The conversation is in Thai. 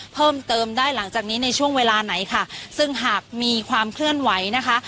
เพิ่มเติมได้หลังจากนี้ในช่วงเวลาไหนค่ะซึ่งหากมีความเคลื่อนไหวนะคะ